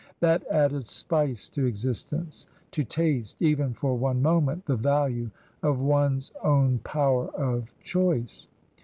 That added spice to existence — ^to taste, even for one moment, the value of one's own power of choice